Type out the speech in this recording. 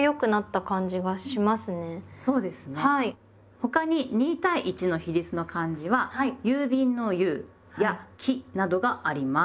他に２対１の比率の漢字は郵便の「郵」や「期」などがあります。